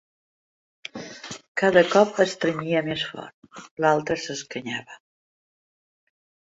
Cada cop estrenyia més fort: l'altra s'escanyava.